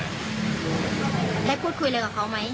ได้พูดคุยเลยกับเค้าไหม